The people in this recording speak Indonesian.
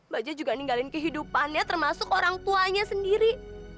baja juga ninggalin kehidupannya termasuk orang tuanya sendiri